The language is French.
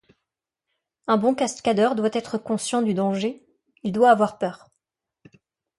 Un bon cascadeur doit être conscient du danger, il doit avoir peur.